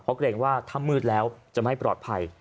เพราะเกรงว่าถ้ามืดแล้วจะไม่ปลอดภัย